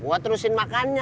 oh consent makanya